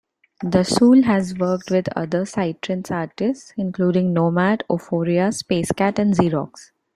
Dassulle has worked with other psytrance artists, including Nomad, Oforia, Space Cat, and Xerox.